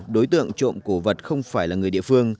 đối tượng trộm cổ vật không phải là người địa phương